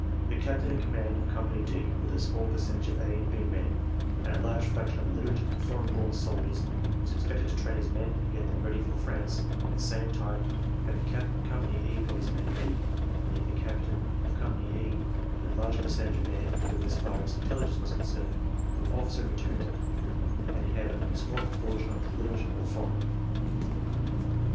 The captain in command of Company D with a small percentage of A and B men and a large fraction of illiterate and foreign born soldiers was ex pected to train his men and get them ready for France at the same time that the captain of Company E got his men ready, and yet the captain of Company E had a large percentage of men, who, as far as intelligence was concerned, were officer material and he had only a small proportion of the illiterate or foreign.